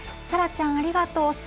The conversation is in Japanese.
沙羅ちゃん、ありがとう。